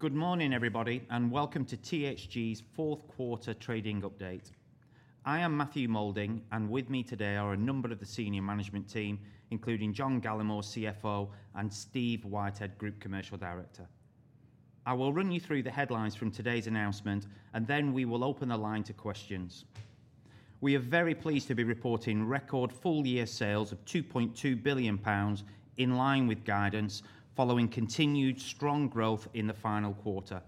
Good morning, everybody, and welcome to THG's fourth quarter trading update. I am Matthew Moulding, and with me today are a number of the senior management team, including John Gallemore, CFO, and Steve Whitehead, Group Commercial Director. I will run you through the headlines from today's announcement, and then we will open the line to questions. We are very pleased to be reporting record full year sales of 2.2 billion pounds in line with guidance following continued strong growth in the final quarter.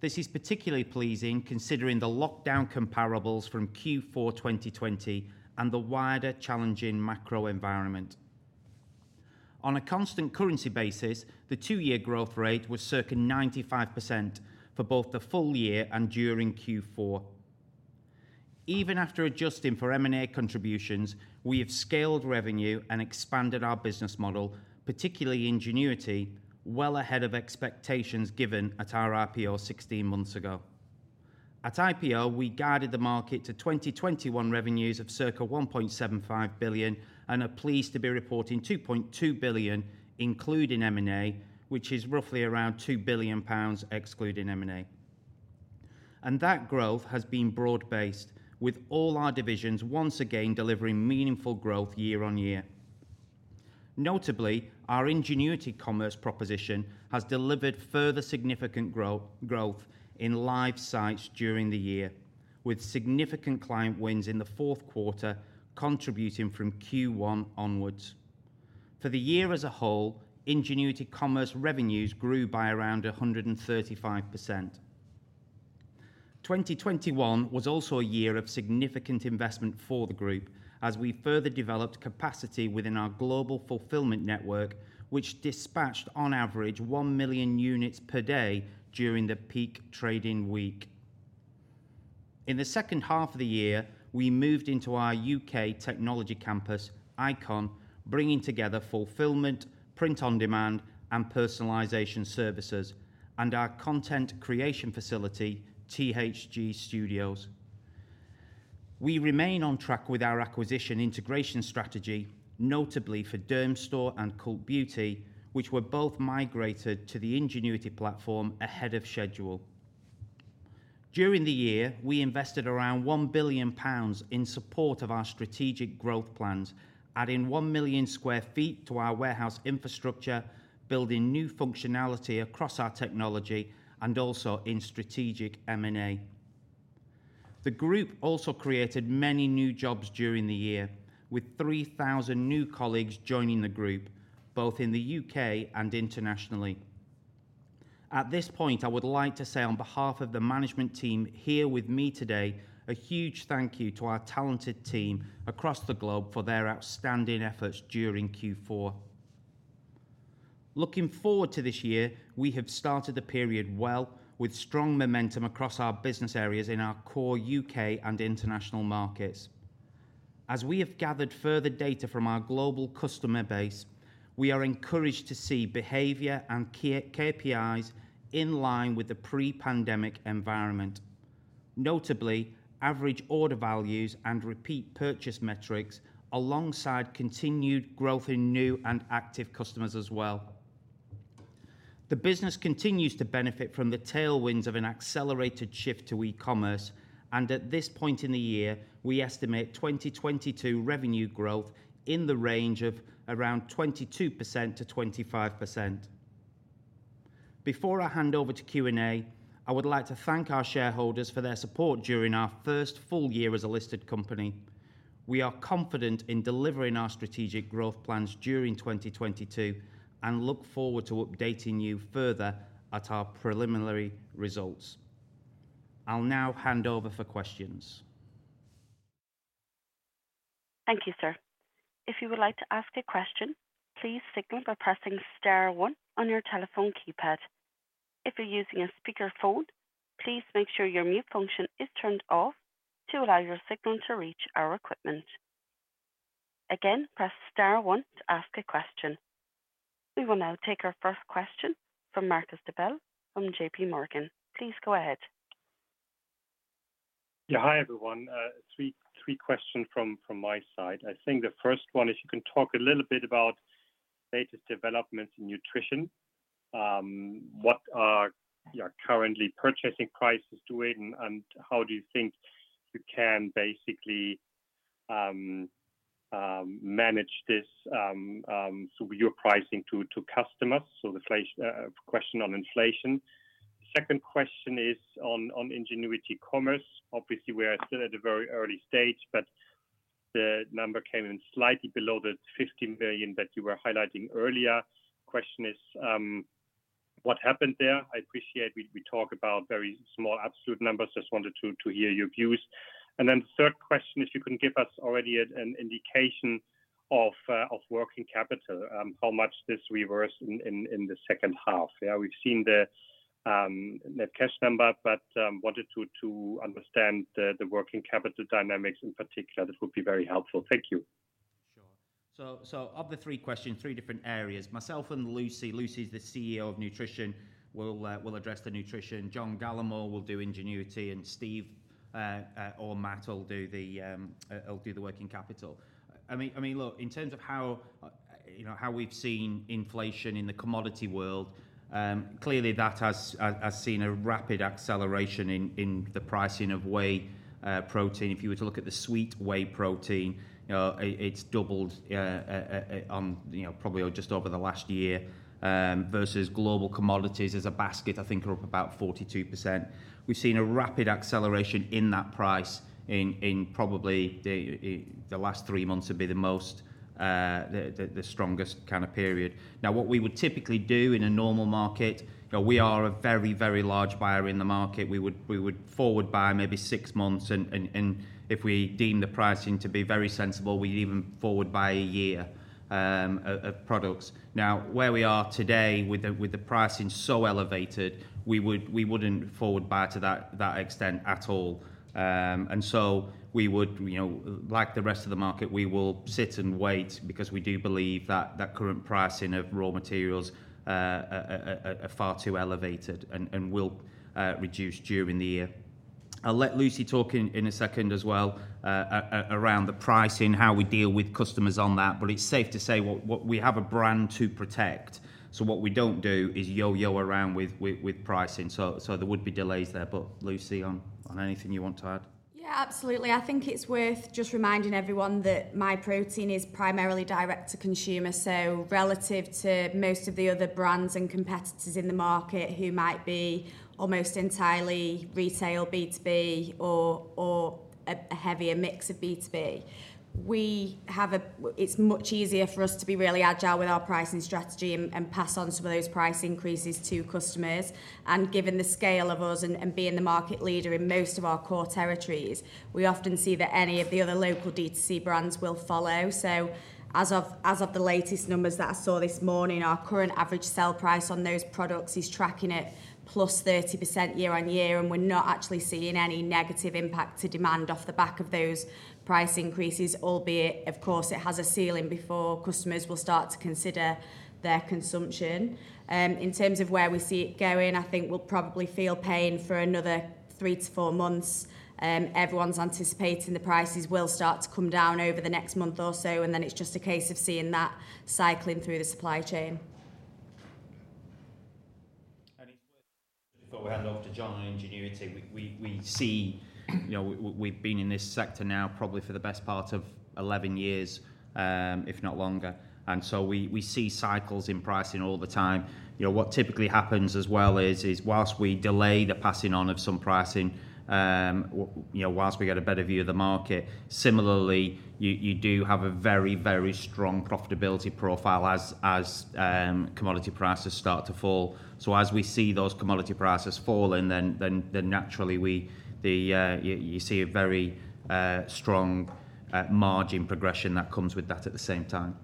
This is particularly pleasing considering the lockdown comparables from Q4 2020 and the wider challenging macro environment. On a constant currency basis, the two-year growth rate was circa 95% for both the full year and during Q4. Even after adjusting for M&A contributions, we have scaled revenue and expanded our business model, particularly Ingenuity, well ahead of expectations given at our IPO 16 months ago. At IPO, we guided the market to 2021 revenues of circa 1.75 billion and are pleased to be reporting 2.2 billion, including M&A, which is roughly around 2 billion pounds excluding M&A. That growth has been broad-based with all our divisions, once again, delivering meaningful growth year-on-year. Notably, our Ingenuity Commerce proposition has delivered further significant growth in live sites during the year, with significant client wins in the fourth quarter, contributing from Q1 onwards. For the year as a whole, Ingenuity Commerce revenues grew by around 135%. 2021 was also a year of significant investment for the group as we further developed capacity within our global fulfillment network, which dispatched on average 1 million units per day during the peak trading week. In the second half of the year, we moved into our U.K. technology campus, Icon, bringing together fulfillment, print on demand, and personalization services, and our content creation facility, THG Studios. We remain on track with our acquisition integration strategy, notably for Dermstore and Cult Beauty, which were both migrated to the Ingenuity platform ahead of schedule. During the year, we invested around 1 billion pounds in support of our strategic growth plans, adding 1 million sq ft to our warehouse infrastructure, building new functionality across our technology and also in strategic M&A. The group also created many new jobs during the year, with 3,000 new colleagues joining the group, both in the U.K. and internationally. At this point, I would like to say on behalf of the management team here with me today, a huge thank you to our talented team across the globe for their outstanding efforts during Q4. Looking forward to this year, we have started the period well with strong momentum across our business areas in our core U.K. and international markets. As we have gathered further data from our global customer base, we are encouraged to see behavior and KPIs in line with the pre-pandemic environment. Notably, average order values and repeat purchase metrics alongside continued growth in new and active customers as well. The business continues to benefit from the tailwinds of an accelerated shift to e-commerce, and at this point in the year, we estimate 2022 revenue growth in the range of around 22%-25%. Before I hand over to Q&A, I would like to thank our shareholders for their support during our first full year as a listed company. We are confident in delivering our strategic growth plans during 2022 and look forward to updating you further at our preliminary results. I'll now hand over for questions. Thank you, sir. If you would like to ask a question, please signal by pressing star one on your telephone keypad. If you're using a speakerphone, please make sure your mute function is turned off to allow your signal to reach our equipment. Again, press star one to ask a question. We will now take our first question from Marcus Diebel from JPMorgan. Please go ahead. Yeah. Hi, everyone. Three questions from my side. I think the first one is can you talk a little bit about latest developments in nutrition. What are your current purchasing prices doing, and how do you think you can basically manage this so with your pricing to customers? The question on inflation. Second question is on Ingenuity Commerce. Obviously, we are still at the very early stage, but the number came in slightly below the 15 billion that you were highlighting earlier. Question is, what happened there? I appreciate we talk about very small absolute numbers. Just wanted to hear your views. Third question is can you give us already an indication of working capital, how much the reversal in the second half? Yeah, we've seen the cash number but wanted to understand the working capital dynamics in particular. This would be very helpful. Thank you. Of the three questions, three different areas. Myself and Lucy, the CEO of Nutrition, will address the Nutrition. John Gallemore will do Ingenuity, and Steve or Matt will do the working capital. I mean, look, in terms of you know how we've seen inflation in the commodity world, clearly that has seen a rapid acceleration in the pricing of whey protein. If you were to look at the sweet whey protein, you know, it's doubled, you know, probably just over the last year, versus global commodities as a basket I think are up about 42%. We've seen a rapid acceleration in that price in probably the last three months would be the most, the strongest kind of period. Now, what we would typically do in a normal market, you know, we are a very, very large buyer in the market. We would forward buy maybe six months and if we deem the pricing to be very sensible, we even forward buy a year of products. Now, where we are today with the pricing so elevated, we wouldn't forward buy to that extent at all. We would, you know, like the rest of the market, we will sit and wait because we do believe that current pricing of raw materials are far too elevated and will reduce during the year. I'll let Lucy talk in a second as well around the pricing, how we deal with customers on that, but it's safe to say what. We have a brand to protect, so what we don't do is yo-yo around with pricing. There would be delays there. Lucy, on anything you want to add? Yeah, absolutely. I think it's worth just reminding everyone that Myprotein is primarily direct to consumer, so relative to most of the other brands and competitors in the market who might be almost entirely retail, B2B or a heavier mix of B2B. It's much easier for us to be really agile with our pricing strategy and pass on some of those price increases to customers. Given the scale of us and being the market leader in most of our core territories, we often see that any of the other local D2C brands will follow. As of the latest numbers that I saw this morning, our current average sell price on those products is tracking at +30% year-on-year, and we're not actually seeing any negative impact to demand off the back of those price increases, albeit, of course, it has a ceiling before customers will start to consider their consumption. In terms of where we see it going, I think we'll probably feel pain for another three to four months. Everyone's anticipating the prices will start to come down over the next month or so, and then it's just a case of seeing that cycling through the supply chain. It's worth, before I hand over to John on Ingenuity, we see, you know, we've been in this sector now probably for the best part of 11 years, if not longer. We see cycles in pricing all the time. You know, what typically happens as well is while we delay the passing on of some pricing, you know, while we get a better view of the market, similarly, you do have a very, very strong profitability profile as commodity prices start to fall. As we see those commodity prices falling, then naturally we you see a very strong margin progression that comes with that at the same time.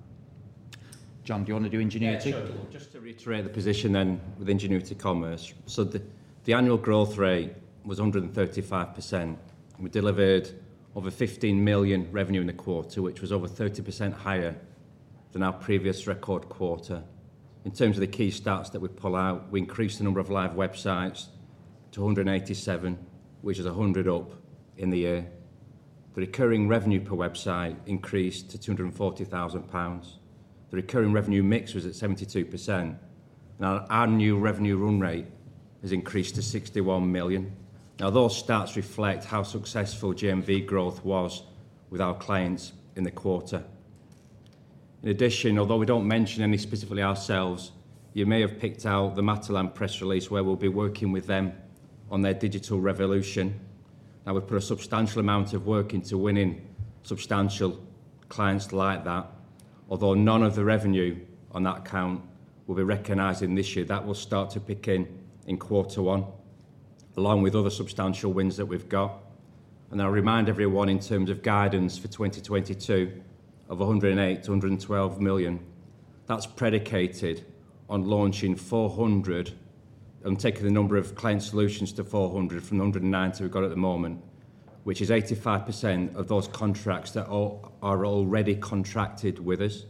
John, do you want to do Ingenuity? Yeah, sure. Just to reiterate the position then with Ingenuity Commerce. The annual growth rate was 135%. We delivered over 15 million revenue in the quarter, which was over 30% higher than our previous record quarter. In terms of the key stats that we pull out, we increased the number of live websites to 187, which is 100 up in the year. The recurring revenue per website increased to 240,000 pounds. The recurring revenue mix was at 72%. Our new revenue run rate has increased to 61 million. Those stats reflect how successful GMV growth was with our clients in the quarter. In addition, although we don't mention any specifically ourselves, you may have picked out the Matalan press release where we'll be working with them on their digital revolution. Now we've put a substantial amount of work into winning substantial clients like that. Although none of the revenue on that account will be recognized in this year, that will start to kick in in quarter one, along with other substantial wins that we've got. I'll remind everyone in terms of guidance for 2022 of 108 million-112 million, that's predicated on launching 400 and taking the number of client solutions to 400 from the 190 we've got at the moment, which is 85% of those contracts that all are already contracted with us.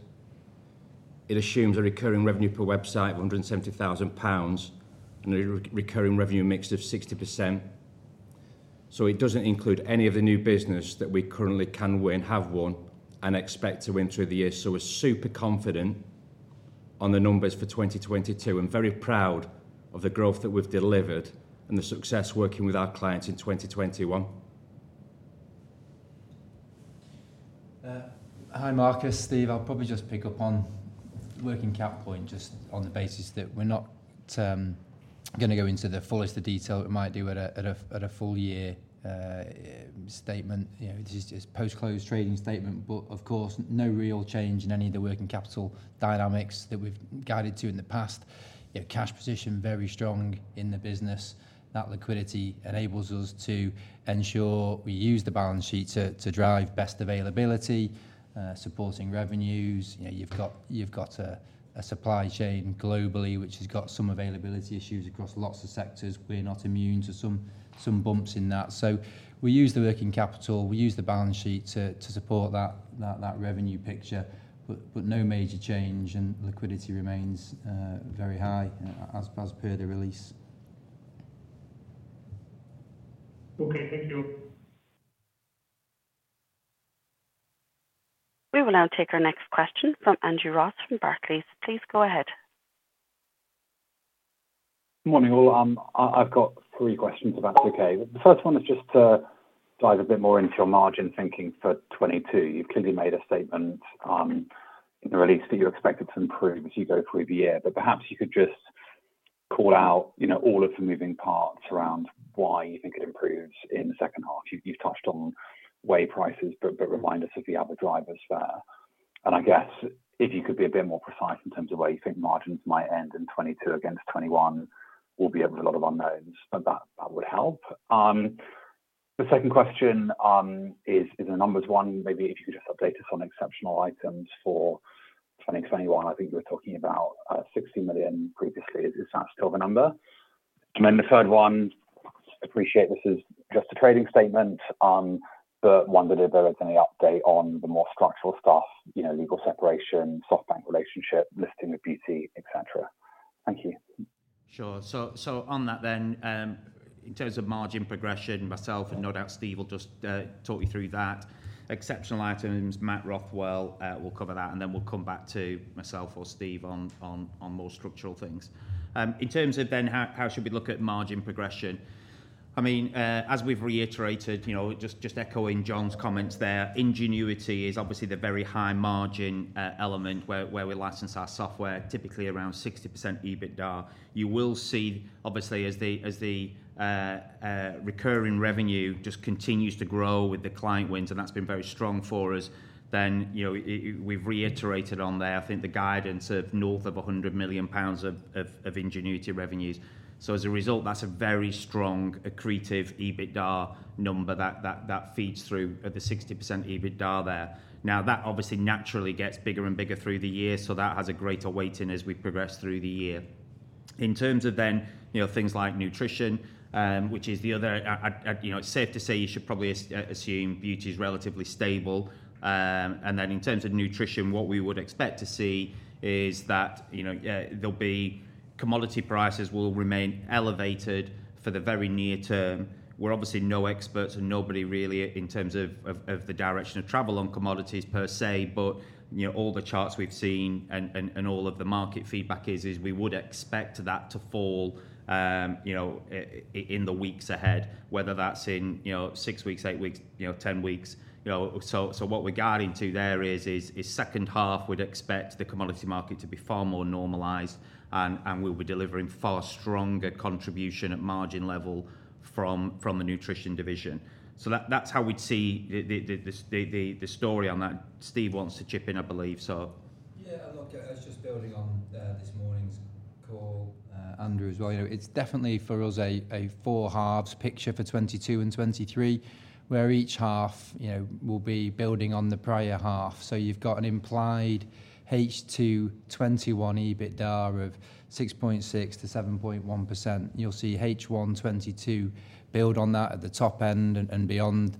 It assumes a recurring revenue per website of 170,000 pounds and a recurring revenue mix of 60%. It doesn't include any of the new business that we currently can win, have won, and expect to win through the year. We're super confident on the numbers for 2022 and very proud of the growth that we've delivered and the success working with our clients in 2021. Hi, Marcus, Steve. I'll probably just pick up on working cap point, just on the basis that we're not gonna go into the fullest of detail we might do at a full year statement. You know, it is just post-close trading statement, but of course, no real change in any of the working capital dynamics that we've guided to in the past. You know, cash position very strong in the business. That liquidity enables us to ensure we use the balance sheet to drive best availability supporting revenues. You know, you've got a supply chain globally, which has got some availability issues across lots of sectors. We're not immune to some bumps in that. We use the working capital. We use the balance sheet to support that revenue picture, but no major change, and liquidity remains very high as per the release. Okay, thank you. We will now take our next question from Andrew Ross from Barclays. Please go ahead. Morning, all. I've got three questions if that's okay. The first one is just to dive a bit more into your margin thinking for 2022. You've clearly made a statement in the release that you're expected to improve as you go through the year. Perhaps you could just call out, you know, all of the moving parts around why you think it improves in the second half? You've touched on whey prices, but remind us of the other drivers there. I guess if you could be a bit more precise in terms of where you think margins might end in 2022 against 2021, we'll be able to know of unknowns, but that would help. The second question is on the numbers. One. Maybe if you could just update us on exceptional items for 2021. I think you were talking about 60 million previously. Is that still the number? Then the third one, appreciate this is just a trading statement, but wondered if there was any update on the more structural stuff, you know, legal separation, SoftBank relationship, listing of Beauty, et cetera. Thank you. Sure. On that then, in terms of margin progression, myself and no doubt Steve will just talk you through that. Exceptional items, Matt Rothwell will cover that, and then we'll come back to myself or Steve on more structural things. In terms of how should we look at margin progression, I mean, as we've reiterated, you know, just echoing John's comments there, Ingenuity is obviously the very high margin element where we license our software, typically around 60% EBITDA. You will see obviously as the recurring revenue just continues to grow with the client wins, and that's been very strong for us, then, you know, we've reiterated on there, I think the guidance of north of 100 million pounds of Ingenuity revenues. As a result, that's a very strong accretive EBITDA number that feeds through at the 60% EBITDA there. Now, that obviously naturally gets bigger and bigger through the year, so that has a greater weighting as we progress through the year. In terms of then, you know, things like Nutrition, which is the other, you know, it's safe to say you should probably assume Beauty is relatively stable. In terms of Nutrition, what we would expect to see is that, you know, there'll be commodity prices will remain elevated for the very near term. We're obviously no experts and nobody really in terms of the direction of travel on commodities per se, but you know, all the charts we've seen and all of the market feedback is we would expect that to fall, you know, in the weeks ahead, whether that's in you know, six weeks, eight weeks, you know, 10 weeks, you know. What we're guiding to there is second half, we'd expect the commodity market to be far more normalized and we'll be delivering far stronger contribution at margin level from the nutrition division. That's how we'd see the story on that. Steve wants to chip in, I believe so. Yeah. Look, it's just building on this morning's call, Andrew, as well. You know, it's definitely for us a four halves picture for 2022 and 2023, where each half, you know, will be building on the prior half. You've got an implied H2 2021 EBITDA of 6.6%-7.1%. You'll see H1 2022 build on that at the top end and beyond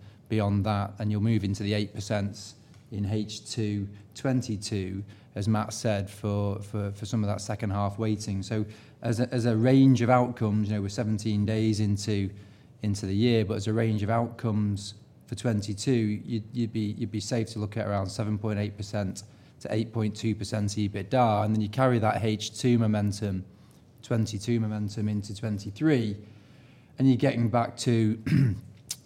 that, and you'll move into the 8% in H2 2022, as Matt said, for some of that second half weighting. As a range of outcomes, you know, we're 17 days into the year, but as a range of outcomes for 2022, you'd be safe to look at around 7.8%-8.2% EBITDA. Then you carry that H2 momentum, 2022 momentum into 2023, and you're getting back to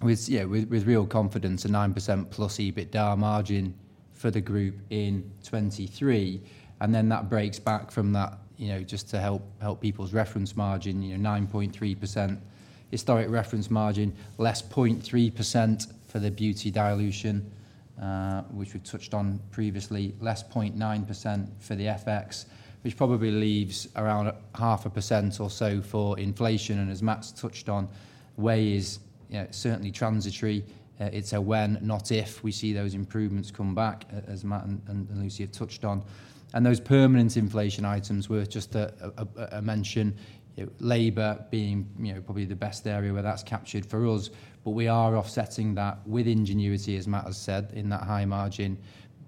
with real confidence a 9%+ EBITDA margin for the group in 2023. That breaks back from that, you know, just to help people's reference margin, you know, 9.3% historic reference margin, less 0.3% for the Beauty dilution, which we touched on previously, less 0.9% for the FX, which probably leaves around 0.5% or so for inflation. As Matt's touched on, wage is certainly transitory. It's a when, not if we see those improvements come back as Matt and Lucy have touched on. Those permanent inflation items worth just a mention, labor being probably the best area where that's captured for us. We are offsetting that with Ingenuity, as Matt has said, in that high margin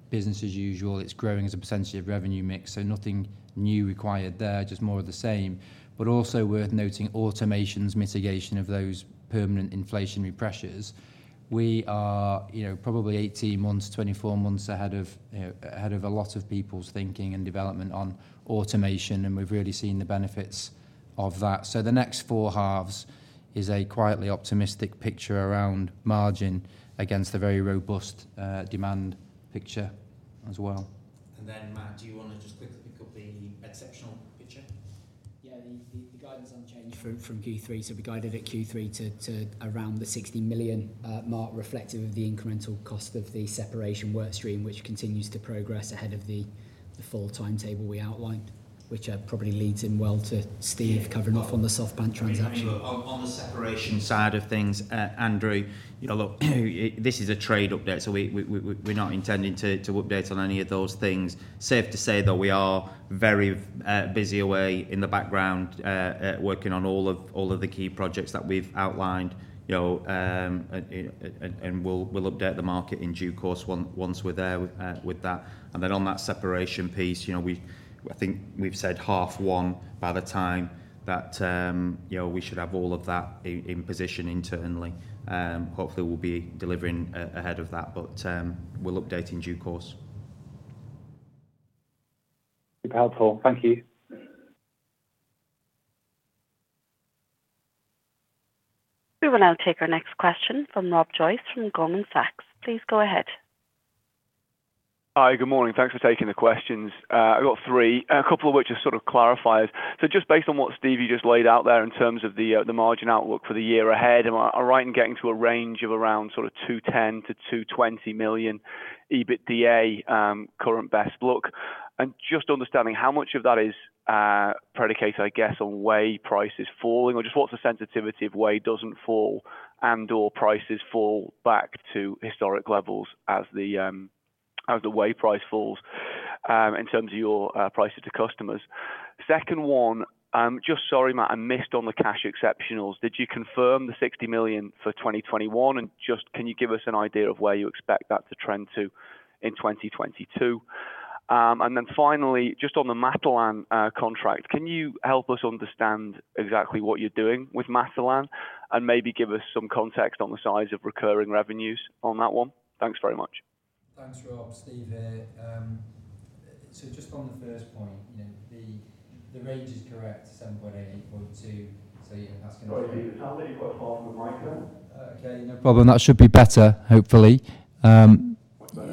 business as usual. It's growing as a percentage of revenue mix, so nothing new required there, just more of the same. Also worth noting automation's mitigation of those permanent inflationary pressures. We are, you know, probably 18 months, 24 months ahead of a lot of people's thinking and development on automation, and we've really seen the benefits of that. The next four halves is a quietly optimistic picture around margin against a very robust demand picture as well. Matt, do you wanna just quickly pick up the exceptional picture? Yeah. The guidance unchanged from Q3. We guided at Q3 to around the 60 million mark reflective of the incremental cost of the separation work stream, which continues to progress ahead of the full timetable we outlined. Which probably leads in well to Steve covering off on the SoftBank transaction. I mean, look, on the separation side of things, Andrew, you know, look, this is a trading update, so we're not intending to update on any of those things. Safe to say, though, we are very busy away in the background working on all of the key projects that we've outlined. You know, and we'll update the market in due course once we're there with that. Then on that separation piece, you know, we've said H1 by the time that, you know, we should have all of that in position internally. Hopefully we'll be delivering ahead of that, but we'll update in due course. Be helpful. Thank you. We will now take our next question from Rob Joyce from Goldman Sachs. Please go ahead. Hi, good morning. Thanks for taking the questions. I've got three, a couple of which are sort of clarifiers. Just based on what Steve, you just laid out there in terms of the margin outlook for the year ahead. Am I right in getting to a range of around sort of 210 million-220 million EBITDA, current best look? And just understanding how much of that is predicated, I guess, on whey prices falling or just what's the sensitivity if whey doesn't fall and/or prices fall back to historic levels as the whey price falls in terms of your prices to customers. Second one, just sorry, Matt, I missed on the cash exceptionals. Did you confirm the 60 million for 2021? Just can you give us an idea of where you expect that to trend to in 2022? And then finally, just on the Matalan contract, can you help us understand exactly what you're doing with Matalan and maybe give us some context on the size of recurring revenues on that one? Thanks very much. Thanks, Rob. Steve here. Just on the first point, you know, the range is correct, 7.8%, 8.2%. Yeah, that's gonna- Sorry, Steve. How about you put off the mic then? Okay. No problem. That should be better, hopefully.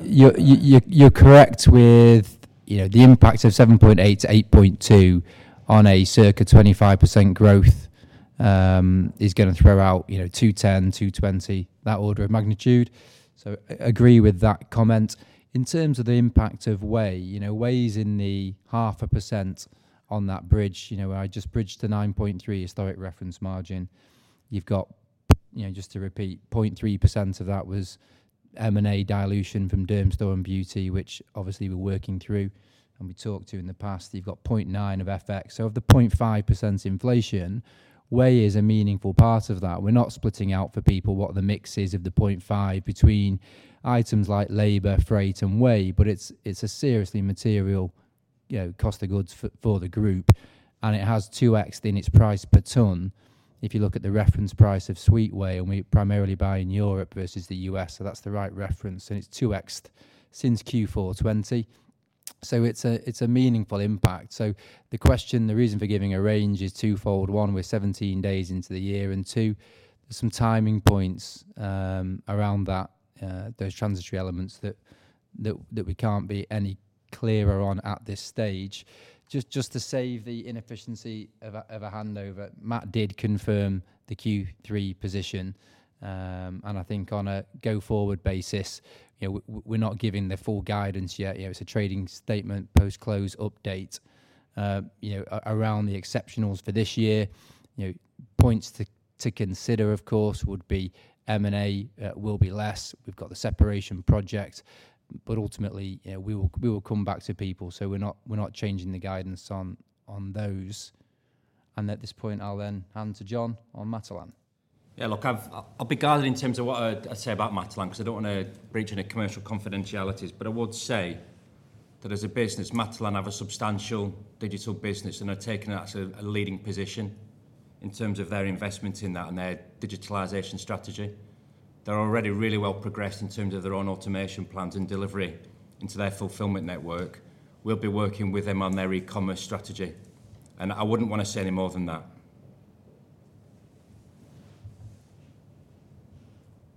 You're correct with, you know, the impact of 7.8%-8.2% on a circa 25% growth, is gonna throw out, you know, 210, 220, that order of magnitude. Agree with that comment. In terms of the impact of whey, you know, whey is in the 0.5% on that bridge. You know, I just bridged the 9.3% historic reference margin. You've got, you know, just to repeat, 0.3% of that was M&A dilution from Dermstore and Beauty, which obviously we're working through and we talked to in the past. You've got 0.9% of FX. Of the 0.5% inflation, whey is a meaningful part of that. We're not splitting out for people what the mix is of the 0.5 between items like labor, freight, and whey, but it's a seriously material, you know, cost of goods for the group. It has 2x-ed in its price per ton. If you look at the reference price of sweet whey, and we primarily buy in Europe versus the U.S., so that's the right reference, and it's 2x-ed since Q4 2020. It's a meaningful impact. The question, the reason for giving a range is twofold. One, we're 17 days into the year. Two, some timing points around that, those transitory elements that we can't be any clearer on at this stage. Just to save the inefficiency of a handover, Matt did confirm the Q3 position. I think on a go-forward basis, you know, we're not giving the full guidance yet. You know, it's a trading statement, post-close update, you know, around the exceptionals for this year. You know, points to consider, of course, would be M&A, will be less. We've got the separation project. Ultimately, you know, we will come back to people. We're not changing the guidance on those. At this point, I'll hand to John on Matalan. I'll be guided in terms of what I'd say about Matalan because I don't want to breach any commercial confidentialities. I would say that as a business, Matalan have a substantial digital business, and they've taken a leading position in terms of their investment in that and their digitalization strategy. They're already really well progressed in terms of their own automation plans and delivery into their fulfillment network. We'll be working with them on their e-commerce strategy. I wouldn't want to say any more than that.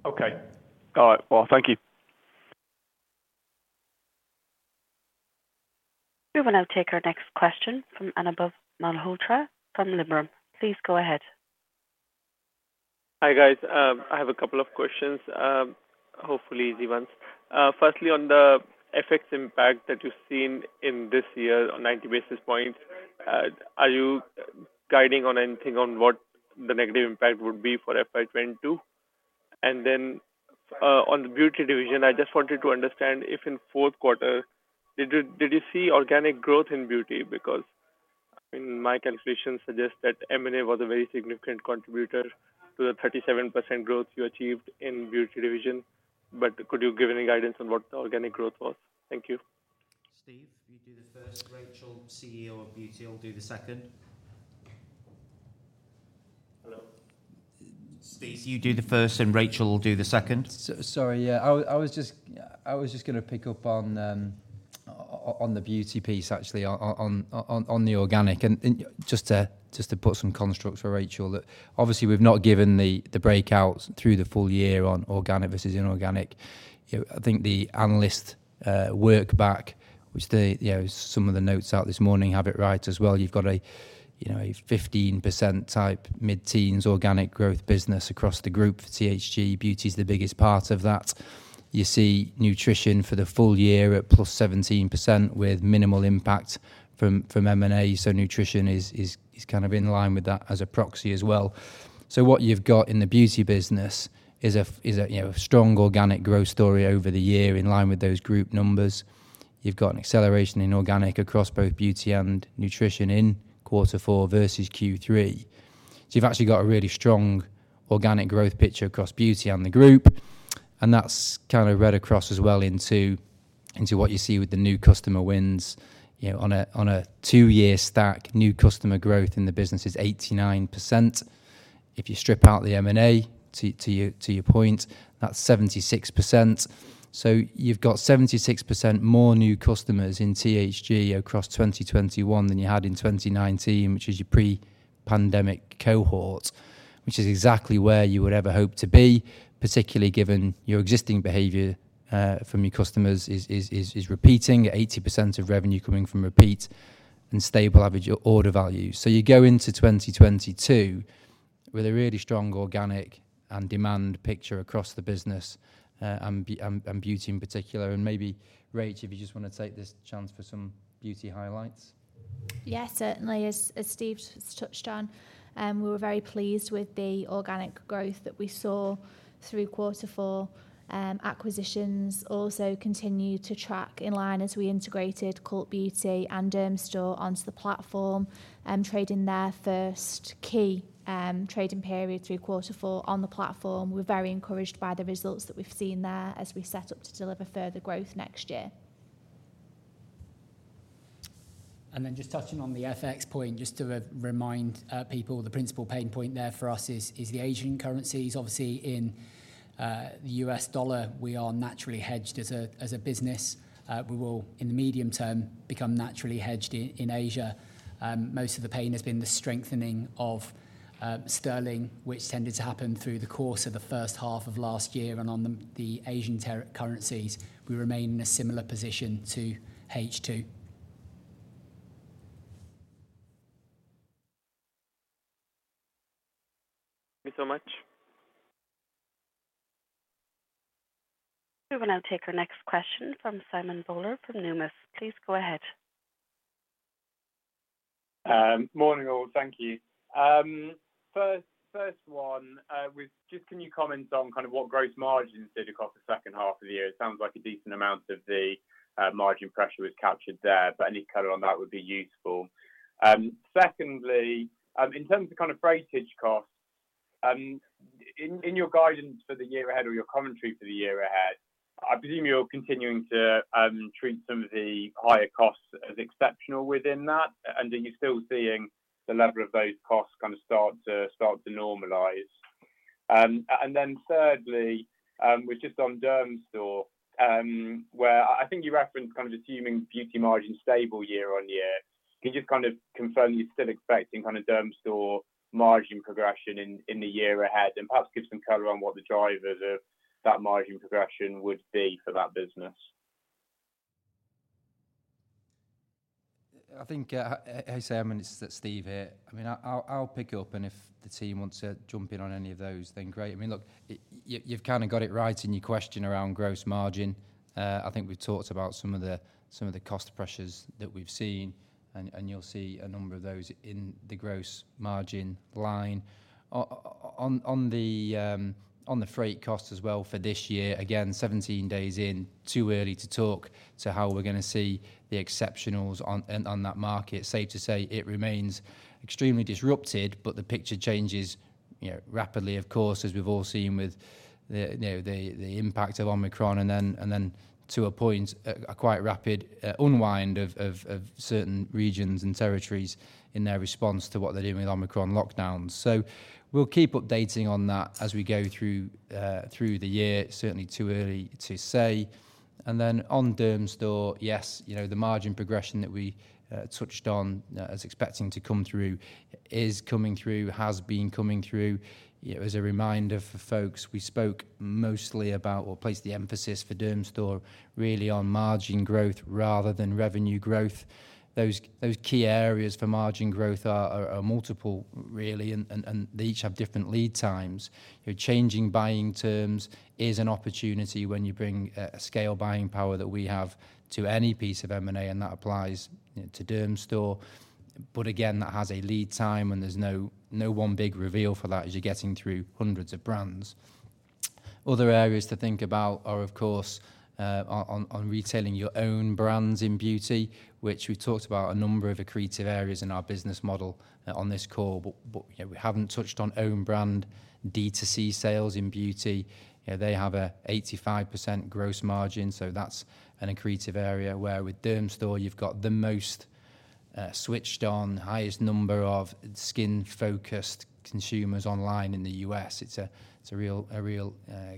Okay. All right. Well, thank you. We will now take our next question from Anubhav Malhotra from Liberum. Please go ahead. Hi, guys. I have a couple of questions, hopefully easy ones. Firstly, on the FX impact that you've seen in this year on 90 basis points, are you guiding on anything on what the negative impact would be for FY 2022? On the Beauty division, I just wanted to understand if in fourth quarter, did you see organic growth in Beauty? Because I mean, my calculation suggests that M&A was a very significant contributor to the 37% growth you achieved in Beauty division. But could you give any guidance on what the organic growth was? Thank you. Steve, will you do the first? Rachel, CEO of Beauty, will do the second. Hello. Steve, you do the first, and Rachel will do the second. Sorry, yeah. I was just gonna pick up on on the Beauty piece, actually, on the organic, just to put some construct for Rachel that obviously we've not given the breakouts through the full year on organic versus inorganic. You know, I think the analyst work back, which, you know, some of the notes out this morning have it right as well. You've got a 15% type mid-teens organic growth business across the group for THG. Beauty is the biggest part of that. You see nutrition for the full year at +17% with minimal impact from M&A. Nutrition is kind of in line with that as a proxy as well. What you've got in the Beauty business is a, you know, a strong organic growth story over the year in line with those group numbers. You've got an acceleration in organic across both Beauty and Nutrition in quarter four versus Q3. You've actually got a really strong organic growth picture across Beauty on the group, and that's kind of read across as well into what you see with the new customer wins, you know, on a two-year stack, new customer growth in the business is 89%. If you strip out the M&A to your point, that's 76%. You've got 76% more new customers in THG across 2021 than you had in 2019, which is your pre-pandemic cohort, which is exactly where you would ever hope to be, particularly given your existing behavior from your customers is repeating 80% of revenue coming from repeat and stable average order value. You go into 2022 with a really strong organic and demand picture across the business, and beauty in particular. Maybe Rachel, if you just want to take this chance for some beauty highlights. Yes, certainly. As Steve's touched on, we were very pleased with the organic growth that we saw through quarter four. Acquisitions also continued to track in line as we integrated Cult Beauty and Dermstore onto the platform, trading their first key trading period through quarter four on the platform. We're very encouraged by the results that we've seen there as we set up to deliver further growth next year. Just touching on the FX point, just to remind people, the principal pain point there for us is the Asian currencies. Obviously in the U.S. dollar, we are naturally hedged as a business. We will, in the medium term, become naturally hedged in Asia. Most of the pain has been the strengthening of sterling, which tended to happen through the course of the first half of last year. On the Asian currencies, we remain in a similar position to H2. Thank you so much. We will now take our next question from Simon Bowler from Numis. Please go ahead. Morning all. Thank you. First one, would you just comment on kind of what gross margin did across the second half of the year? It sounds like a decent amount of the margin pressure was captured there, but any color on that would be useful. Secondly, in terms of kind of freight costs, in your guidance for the year ahead or your commentary for the year ahead, I presume you're continuing to treat some of the higher costs as exceptional within that. Are you still seeing the level of those costs kind of start to normalize? Then thirdly, which is on Dermstore, where I think you referenced kind of assuming beauty margin stable year on year. Can you just kind of confirm you're still expecting kind of Dermstore margin progression in the year ahead and perhaps give some color on what the drivers of that margin progression would be for that business? I think, hey, Simon, it's Steve here. I mean, I'll pick up and if the team wants to jump in on any of those, then great. I mean, look, you've kind of got it right in your question around gross margin. I think we've talked about some of the cost pressures that we've seen and you'll see a number of those in the gross margin line. On the freight cost as well for this year, again, 17 days in, too early to talk to how we're going to see the exceptionals on that market. Safe to say it remains extremely disrupted, but the picture changes rapidly, of course, as we've all seen with the impact of Omicron and then to a point a quite rapid unwind of certain regions and territories in their response to what they're doing with Omicron lockdowns. We'll keep updating on that as we go through the year. It's certainly too early to say. On Dermstore, yes, the margin progression that we touched on as expecting to come through is coming through, has been coming through. As a reminder for folks, we spoke mostly about or placed the emphasis for Dermstore really on margin growth rather than revenue growth. Those key areas for margin growth are multiple really, and they each have different lead times. You know, changing buying terms is an opportunity when you bring a scale buying power that we have to any piece of M&A, and that applies, you know, to Dermstore. Again, that has a lead time, and there's no one big reveal for that as you're getting through hundreds of brands. Other areas to think about are of course on retailing your own brands in beauty, which we talked about a number of accretive areas in our business model on this call. You know, we haven't touched on own brand D2C sales in beauty. You know, they have a 85% gross margin, so that's an accretive area where with Dermstore you've got the most switched on highest number of skin-focused consumers online in the U.S. It's a real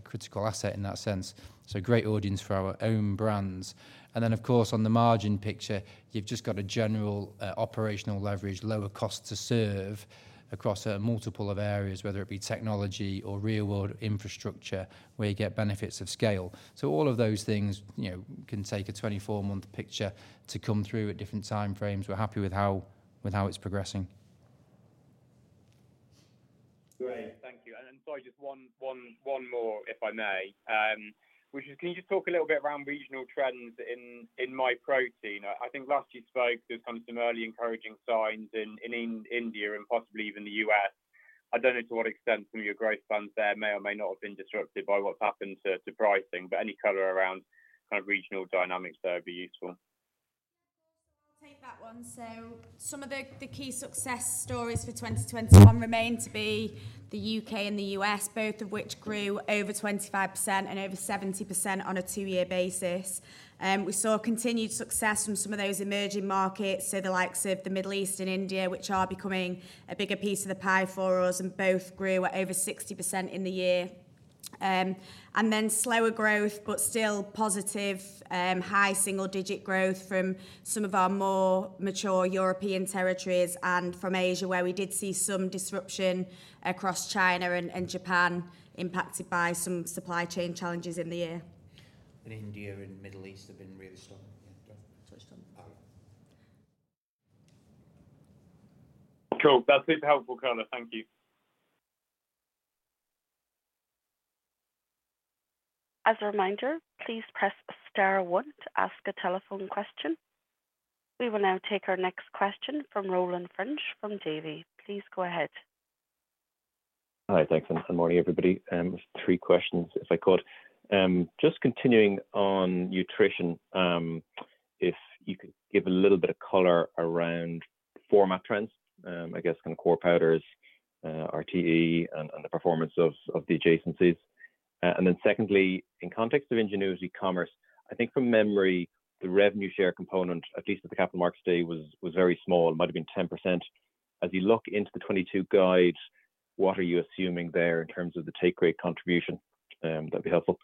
critical asset in that sense. A great audience for our own brands. Then of course, on the margin picture, you've just got a general operational leverage, lower cost to serve across a multiple of areas, whether it be technology or real world infrastructure, where you get benefits of scale. All of those things, you know, can take a 24-month picture to come through at different time frames. We're happy with how it's progressing. Great. Thank you. Sorry, just one more, if I may. Which is, can you just talk a little bit around regional trends in Myprotein? I think last you spoke, there was kind of some early encouraging signs in India and possibly even the U.S. I don't know to what extent some of your growth plans there may or may not have been disrupted by what's happened to pricing, but any color around kind of regional dynamics there would be useful. I'll take that one. Some of the key success stories for 2021 remain to be the U.K. and the U.S., both of which grew over 25% and over 70% on a two-year basis. We saw continued success from some of those emerging markets, so the likes of the Middle East and India, which are becoming a bigger piece of the pie for us, and both grew at over 60% in the year. Slower growth, but still positive, high single digit growth from some of our more mature European territories and from Asia, where we did see some disruption across China and Japan impacted by some supply chain challenges in the year. India and Middle East have been really strong. Yeah. Touched on that. All right. Cool. That's super helpful color. Thank you. As a reminder, please press star one to ask a telephone question. We will now take our next question from Roland French from Davy. Please go ahead. Hi. Thanks, and good morning, everybody. Just three questions, if I could. Just continuing on nutrition, if you could give a little bit of color around format trends, I guess kind of core powders, RTD and the performance of the adjacencies. Secondly, in context of Ingenuity Commerce, I think from memory, the revenue share component, at least at the Capital Markets Day, was very small. It might have been 10%. As you look into the 2022 guides, what are you assuming there in terms of the take rate contribution? That'd be helpful.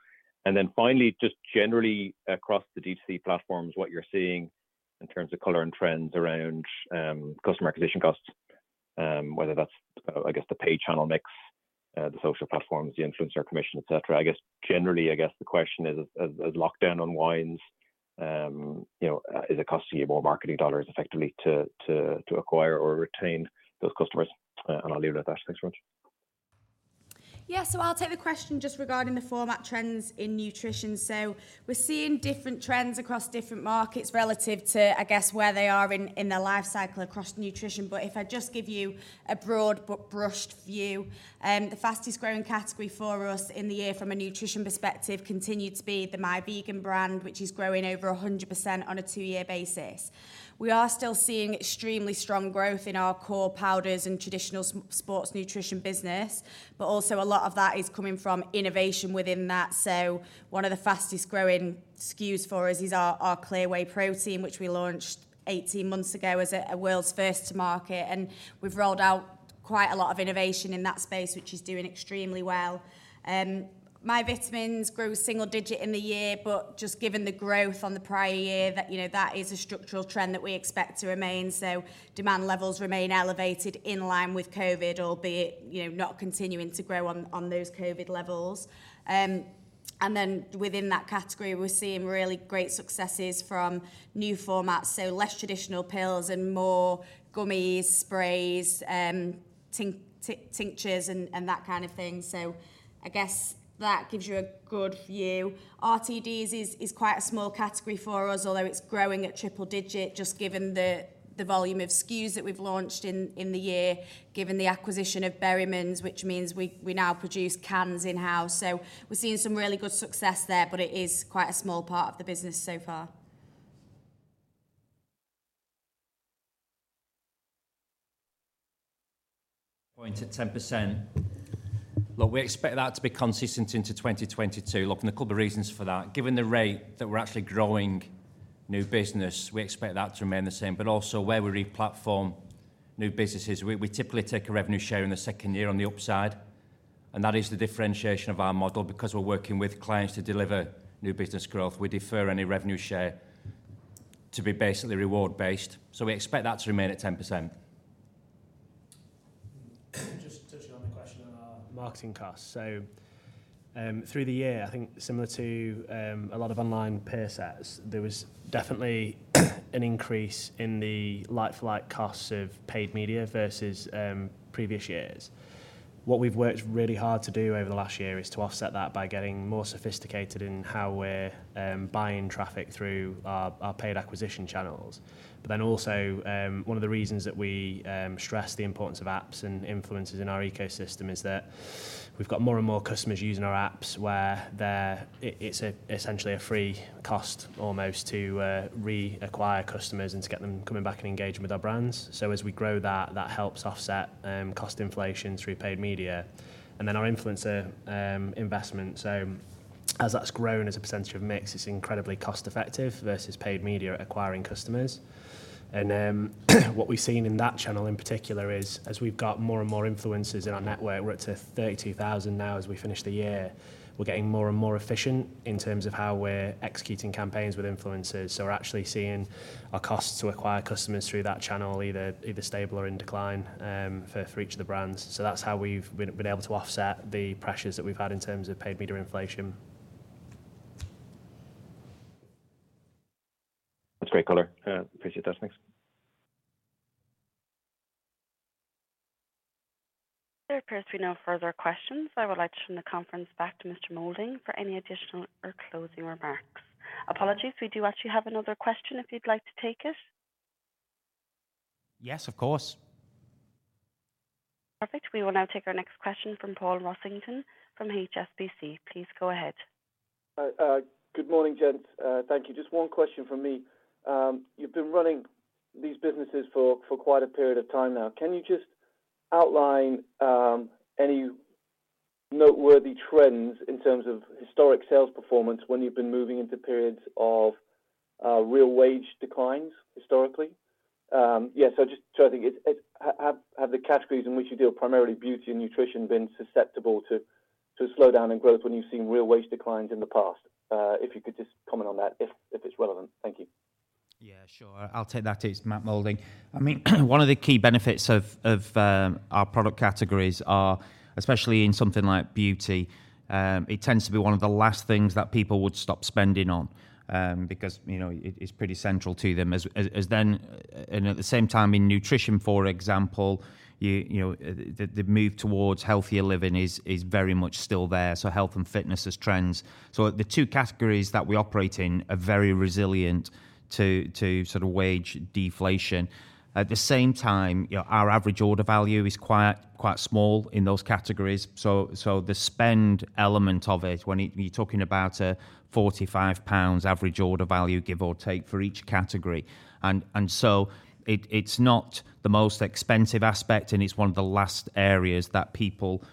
Finally, just generally across the D2C platforms, what you're seeing in terms of color and trends around customer acquisition costs, whether that's, I guess, the pay channel mix, the social platforms, the influencer commission, et cetera. I guess, generally, I guess the question is, as lockdown unwinds, you know, is it costing you more marketing dollars effectively to acquire or retain those customers? I'll leave it at that. Thanks very much. I'll take the question just regarding the format trends in nutrition. We're seeing different trends across different markets relative to, I guess, where they are in their life cycle across nutrition. If I just give you a broad-brush view, the fastest growing category for us in the year from a nutrition perspective continued to be the Myvegan brand, which is growing over 100% on a two-year basis. We are still seeing extremely strong growth in our core powders and traditional sports nutrition business, but also a lot of that is coming from innovation within that. One of the fastest growing SKUs for us is our Clear Whey protein, which we launched 18 months ago as a world's first to market, and we've rolled out quite a lot of innovation in that space, which is doing extremely well. Myvitamins grew single digit in the year, but just given the growth on the prior year, that is a structural trend that we expect to remain. Demand levels remain elevated in line with COVID, albeit, you know, not continuing to grow on those COVID levels. Within that category, we're seeing really great successes from new formats, so less traditional pills and more gummies, sprays, tinctures and that kind of thing. I guess that gives you a good view. RTDs is quite a small category for us, although it's growing at triple-digit just given the volume of SKUs that we've launched in the year, given the acquisition of Berryman's, which means we now produce cans in-house. We're seeing some really good success there, but it is quite a small part of the business so far. Point at 10%. Look, we expect that to be consistent into 2022. Look, a couple of reasons for that. Given the rate that we're actually growing new business, we expect that to remain the same. Also where we re-platform new businesses, we typically take a revenue share in the second year on the upside, and that is the differentiation of our model. Because we're working with clients to deliver new business growth, we defer any revenue share to be basically reward based. We expect that to remain at 10%. Just touching on the question on our marketing costs. Through the year, I think similar to a lot of online peer sets, there was definitely an increase in the like-for-like costs of paid media versus previous years. What we've worked really hard to do over the last year is to offset that by getting more sophisticated in how we're buying traffic through our paid acquisition channels. Also, one of the reasons that we stress the importance of apps and influencers in our ecosystem is that we've got more and more customers using our apps where they're essentially a free cost almost to reacquire customers and to get them coming back and engaging with our brands. As we grow that helps offset cost inflation through paid media, then our influencer investment. As that's grown as a percentage of mix, it's incredibly cost effective versus paid media at acquiring customers. What we've seen in that channel in particular is as we've got more and more influencers in our network, we're up to 30,000 now as we finish the year, we're getting more and more efficient in terms of how we're executing campaigns with influencers. We're actually seeing our cost to acquire customers through that channel either stable or in decline, for each of the brands. That's how we've been able to offset the pressures that we've had in terms of paid media inflation. That's great color. Appreciate that. Thanks. There appears to be no further questions. I would like to turn the conference back to Mr. Moulding for any additional or closing remarks. Apologies. We do actually have another question if you'd like to take it. Yes, of course. Perfect. We will now take our next question from Paul Rossington from HSBC. Please go ahead. Good morning, gents. Thank you. Just one question from me. You've been running these businesses for quite a period of time now. Can you just outline any noteworthy trends in terms of historic sales performance when you've been moving into periods of real wage declines historically? Have the categories in which you deal primarily beauty and nutrition been susceptible to a slowdown in growth when you've seen real wage declines in the past? If you could just comment on that if it's relevant. Thank you. Yeah, sure. I'll take that. It's Matt Moulding. I mean, one of the key benefits of our product categories are, especially in something like beauty, it tends to be one of the last things that people would stop spending on, because, you know, it's pretty central to them. And then and at the same time in nutrition, for example, you know, the move towards healthier living is very much still there. So health and fitness as trends. So the two categories that we operate in are very resilient to sort of wage deflation. At the same time, you know, our average order value is quite small in those categories. So the spend element of it, when you're talking about a 45 pounds average order value, give or take for each category. It's not the most expensive aspect, and it's one of the last areas that people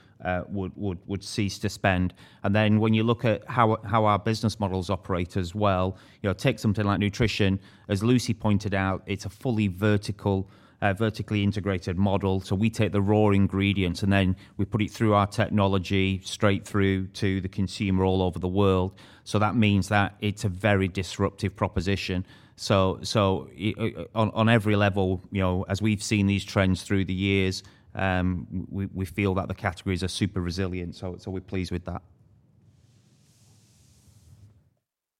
would cease to spend. When you look at how our business models operate as well, you know, take something like nutrition, as Lucy pointed out, it's a fully vertically integrated model. We take the raw ingredients, and then we put it through our technology straight through to the consumer all over the world. That means that it's a very disruptive proposition. On every level, you know, as we've seen these trends through the years, we feel that the categories are super resilient. We're pleased with that.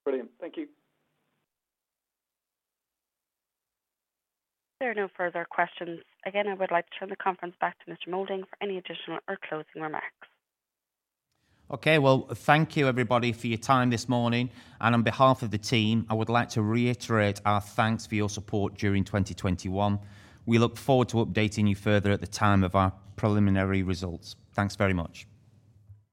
Brilliant. Thank you. There are no further questions. Again, I would like to turn the conference back to Mr. Moulding for any additional or closing remarks. Okay. Well, thank you everybody for your time this morning. On behalf of the team, I would like to reiterate our thanks for your support during 2021. We look forward to updating you further at the time of our preliminary results. Thanks very much.